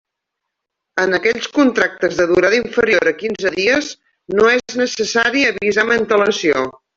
En aquells contractes de durada inferior a quinze dies no és necessari avisar amb antelació.